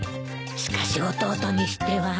しかし弟にしては。